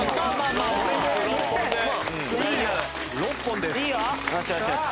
６本です。